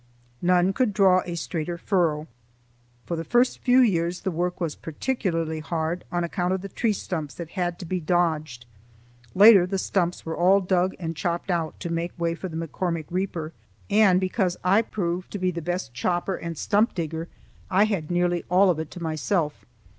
None could draw a straighter furrow. For the first few years the work was particularly hard on account of the tree stumps that had to be dodged. Later the stumps were all dug and chopped out to make way for the McCormick reaper, and because I proved to be the best chopper and stump digger I had nearly all of it to myself.